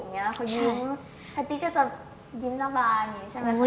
เขายิ้มพะตี้ก็จะยิ้มหน้าบานใช่ไหมค่ะ